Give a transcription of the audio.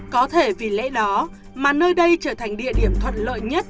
có thể vì lẽ đó mà nơi đây trở thành địa điểm thuận lợi nhất